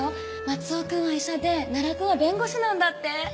松尾君は医者で奈良君は弁護士なんだって？